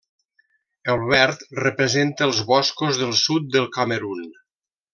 El verd representa els boscos del sud del Camerun.